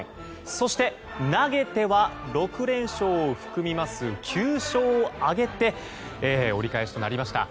そして、投げては６連勝を含みます９勝を挙げて折り返しとなりました。